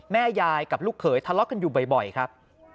แม่ยายกับลูกเขยทะเลาะกันอยู่บ่อยครับ